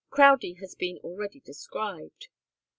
Crowdie has been already described.